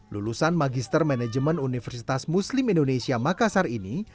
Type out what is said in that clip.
lulusan magister manajemen universitas muslim indonesia makassar ini